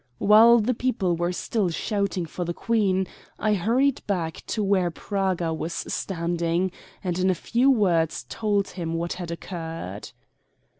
While the people were still shouting for the Queen, I hurried back to where Praga was standing, and in a few words told him what had occurred.